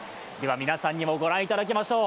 皆さんにもご覧いただきましょう。